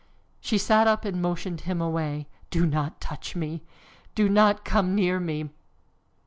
She sat up and motioned him away. "Do not touch me! Do not come near me!"